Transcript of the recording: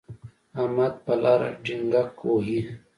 احمد په لاره ډینګګ وهي.